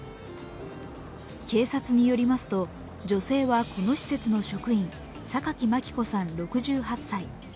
警察によりますと女性はこの施設の職員榊真希子さん６８歳。